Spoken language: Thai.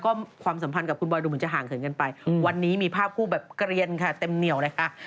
ก็ความสัมพันธ์กับคุณบอยดูเหมือนจะห่างเขินกันไปวันนี้มีภาพคู่แบบเกลียนค่ะเต็มเหนียวเลยค่ะ